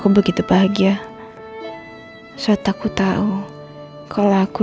betul benangnya juga udah ampuh